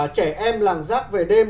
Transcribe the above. trẻ em làng giác về đêm